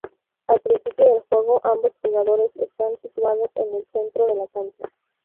Al principio del juego, ambos jugadores están situados en el centro de la cancha.